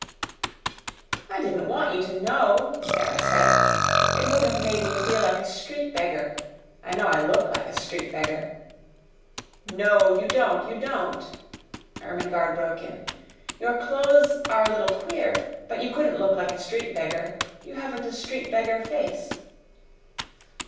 "I didn't want you to know," Sara said. "It would have made me feel like a street beggar. I know I look like a street beggar." "No, you don't you don't!" Ermengarde broke in. "Your clothes are a little queer but you couldn't look like a street beggar. You haven't a street beggar face."